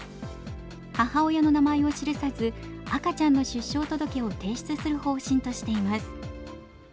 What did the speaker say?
母親の名前を記さず赤ちゃんの出生届を提出する方針としています。